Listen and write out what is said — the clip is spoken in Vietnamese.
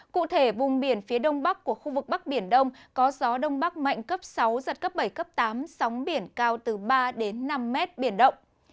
cụ thể vùng biển phía đông bắc của khu vực bắc biển đông có gió đông bắc mạnh cấp sáu giật cấp bảy cấp tám sóng biển cao từ ba đến năm mét biển động